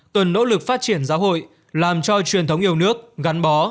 cần nỗ lực phát triển giáo hội làm cho truyền thống yêu nước gắn bó